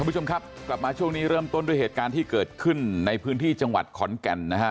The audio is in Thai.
คุณผู้ชมครับกลับมาช่วงนี้เริ่มต้นด้วยเหตุการณ์ที่เกิดขึ้นในพื้นที่จังหวัดขอนแก่นนะฮะ